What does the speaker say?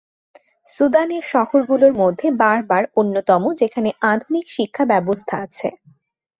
সুদানের শহর গুলোর মধ্যে বারবার অন্যতম যেখানে আধুনিক শিক্ষা ব্যবস্থা আছে।